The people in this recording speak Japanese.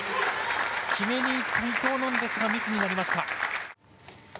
決めにいった伊藤なんですがミスになりました。